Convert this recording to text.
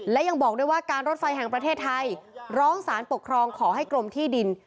และยังบอกด้วยว่าการรถไฟแห่งประเทศไทยร้องสารปกครองขอให้กรมที่ดิน